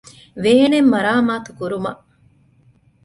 ވޭނެއް މަރާމާތުކުރުމަށް